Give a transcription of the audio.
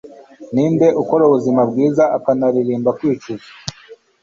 ninde ukora ubuzima bwiza akanaririmba kwicuza